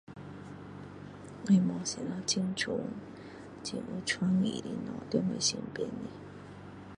我没什么很美很有创意的东西在我身边